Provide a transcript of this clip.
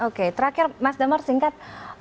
oke terakhir mas damar singkat